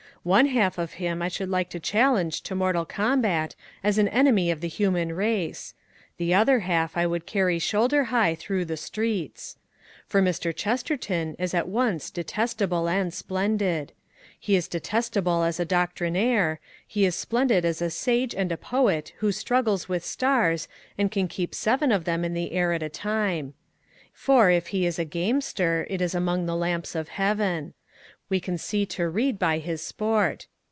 One half of him I should like to challenge to mortal combat as an enemy of the human race. The other half I would carry shoulder high through the streets. For Mr. Chesterton is at once detestable and splendid. He is detestable as a doctrinaire: he is splendid as a sage and a poet who juggles with stars and can keep seven of them in the air at a time. For, if he is a gamester, it is among the lamps of Heaven. We can see to read by his sport.